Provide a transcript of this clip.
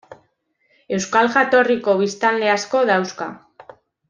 Euskal jatorriko biztanle asko dauzka.